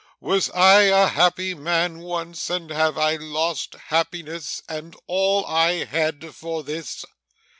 Was I a happy man once, and have I lost happiness and all I had, for this!